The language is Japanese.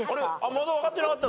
まだ分かってなかった？